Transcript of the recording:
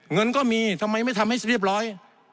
เงินก็มีทำไมไม่ทำให้เรียบร้อย